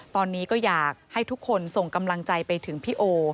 ตอนนี้ก็อยากให้ทุกคนส่งกำลังใจไปถึงพี่โอ